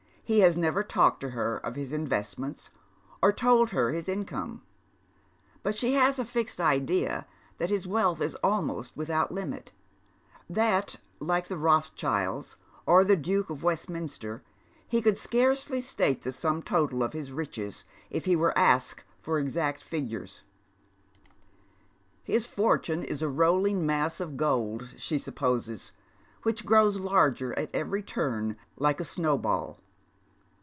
Jle has never talked to her of his investments, or told her his income, but she has a fixed idea that his wealth is almost without limit, that, hke the Eothschilds or the Duke of Westminister, he could scarcely state the sum total of Ins riches if he were asked for exact figures. His fortune is a rolling mass of gold, she P'lpposes, which grows larger at every turn, like a snowball.